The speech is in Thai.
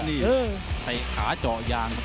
เตะขาเจาะยาง